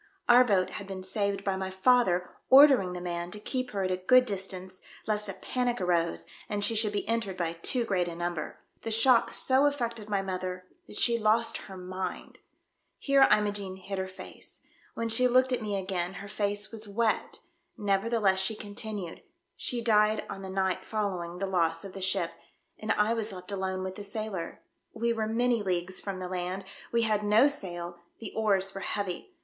Our boat had been saved by my father ordering the man to keep her at a good distance lest a panic arose and she should be entered by too great a number. The shock so affected my mother that she lost her mind." Here Imogene hid her face. When she looked at me again her face was wet, nevertheless she continued : '*She died on the night following the loss of 1^6 THE bEATil SHIP. the ship, and I v/as left alone with the sailor. We were many leagues from the land, we had no sail, the oars were heavy.